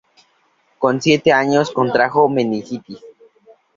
Con siete años contrajo meningitis.